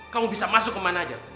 kamu bisa masuk kemana aja